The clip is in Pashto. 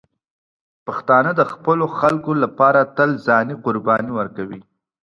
پښتانه د خپلو خلکو لپاره تل ځاني قرباني ورکوي.